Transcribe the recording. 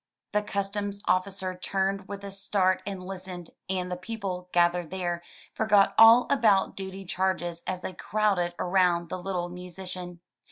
The customs officer turned with a start and listened, and the people, gathered there, forgot all about duty charges as they crowded around the little musician.